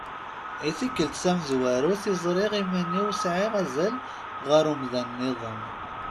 I tikkelt tamezwarut i ẓriɣ iman-iw sɛiɣ azal ɣer umdan-nniḍen.